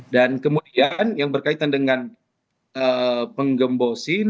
dan kemudian yang berkaitan dengan penggembosin